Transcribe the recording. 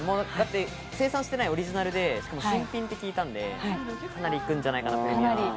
生産してないオリジナルで、新品って聞いたんで、かなり行くんじゃないかなと。